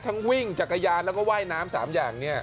ทั้งวิ่งจักรยานแล้วก็ว่ายน้ำ๓อย่างเนี่ย